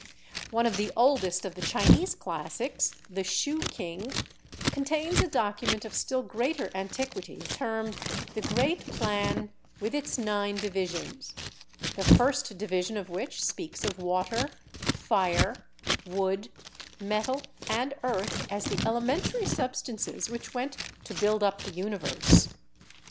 One of the oldest of the Chinese classics, the 'Shu King/ contains a document of still greater antiquity termed "The Great Plan with Its Nine Divisions," the first division of which speaks of water, fire, wood, metal and earth as the elementary substances which went to build up the uni verse.